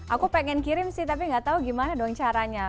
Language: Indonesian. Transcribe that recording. aku pengen kirim sih tapi gak tau gimana dong caranya